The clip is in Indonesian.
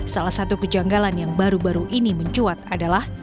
salah satu kejanggalan yang baru baru ini mencuat adalah